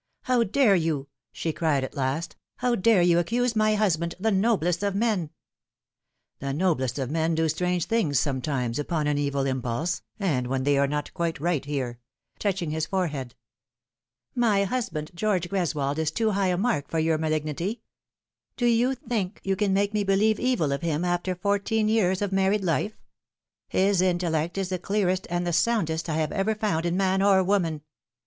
" How dare you ?" she cried at last. " How dare you accuse my husband the noblest of men ?"" The noblest of men do strange things sometimes upon an evil impulse, and when they are not quite right here," touching his forehead. " My husband, George Greswold, is too high a mark for your malignity. Do you think you can make me believe evil of him after fourteen years of married life? His intellect is the clearest and the soundest I have ever found in man or woman.